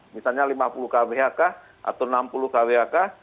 misalnya lima puluh kwh kah atau enam puluh kwh kah